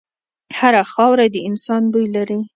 هره خاوره د انسان بوی لري.